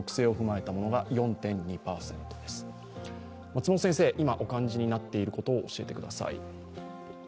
松本先生、今お感じになっていることを教えてください。